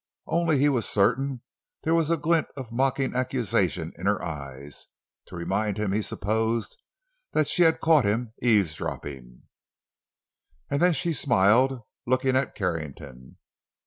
Only, he was certain, there was a glint of mocking accusation in her eyes—to remind him, he supposed, that she had caught him eavesdropping. And then she smiled, looking at Carrington.